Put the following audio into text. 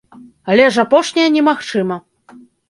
Але ж апошняе немагчыма.